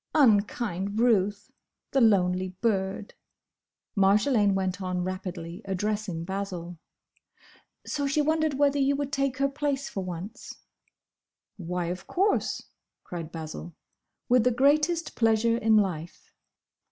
"Unkind Ruth! The lonely bird!" Marjolaine went on rapidly, addressing Basil, "So she wondered whether you would take her place for once." "Why, of course!" cried Basil. "With the greatest pleasure in life!"